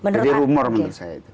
jadi rumor menurut saya itu